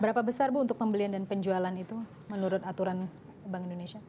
berapa besar bu untuk pembelian dan penjualan itu menurut aturan bank indonesia